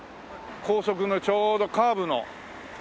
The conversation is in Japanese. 高速のちょうどカーブの。